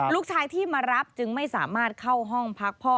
ลูกชายที่มารับจึงไม่สามารถเข้าห้องพักพ่อ